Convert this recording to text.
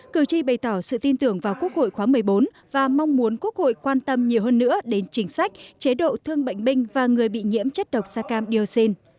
cử tri bày tỏ sự tin tưởng vào quốc hội khóa một mươi bốn và mong muốn quốc hội quan tâm nhiều hơn nữa đến chính sách chế độ thương bệnh binh và người bị nhiễm chất độc da cam dioxin